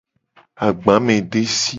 Agbamedesi.